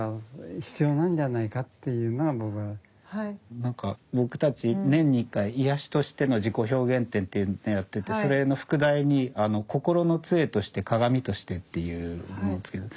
何か僕たち年に１回「“癒し”としての自己表現展」っていうのやっててそれの副題に「心の杖として鏡として」っていうのを付けてて。